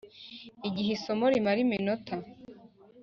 Igihe isomo rimara iminota